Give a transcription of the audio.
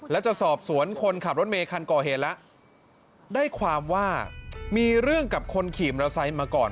และจะสอบสวนคนขับรถเมย์คันก่อเหตุแล้วได้ความว่ามีเรื่องกับคนขี่มอเตอร์ไซค์มาก่อน